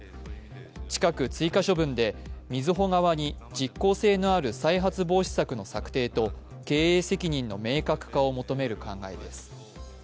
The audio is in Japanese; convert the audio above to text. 近く追加処分で、みずほ側に実効性のある再発防止策の策定と経営責任の明確化を求める考えです。